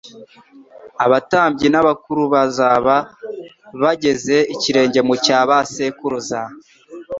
abatambyi n'abakurubazaba bageze ikirenge mu cya ba sekuruza,